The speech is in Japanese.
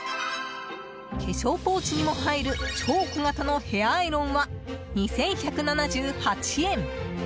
化粧ポーチにも入る超小型のヘアアイロンは２１７８円。